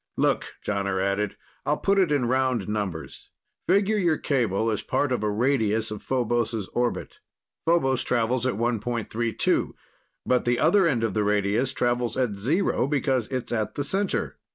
"Look," Jonner added, "I'll put it in round numbers. Figure your cable as part of a radius of Phobos' orbit. Phobos travels at 1.32, but the other end of the radius travels at zero because it's at the center.